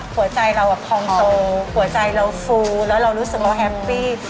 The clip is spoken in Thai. หัวใจเราพองโตหัวใจเราฟูแล้วเรารู้สึกเราแฮปปี้